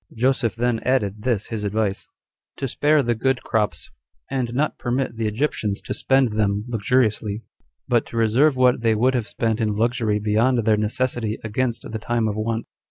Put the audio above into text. Joseph then added this his advice: To spare the good crops, and not permit the Egyptians to spend them luxuriously, but to reserve what they would have spent in luxury beyond their necessity against the time of want.